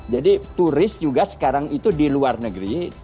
jadi turis juga sekarang itu di luar negeri